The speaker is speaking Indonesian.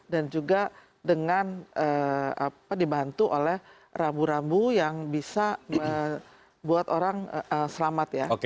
dan juga dengan dibantu oleh rambu rambu yang bisa buat orang selamat ya